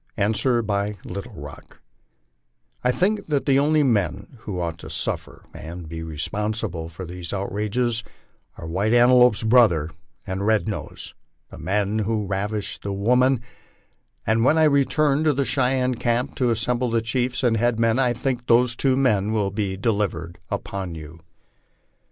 Answer by Little Rock :" I think that the only men who ought to suffer and be responsible for these outrages are White Antelope's brother and Red Nose, the men who ravished the woman ; and when I return to the Cheyenne camp and assemble the chiefs and head men, I think those two men will be delivered up to you."